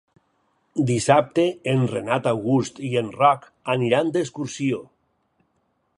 Dissabte en Renat August i en Roc aniran d'excursió.